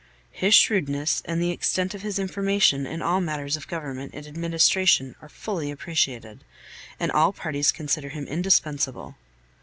His shrewdness and the extent of his information in all matters of government and administration are fully appreciated, and all parties consider him indispensable.